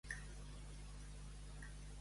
Els d'Isona, jueus.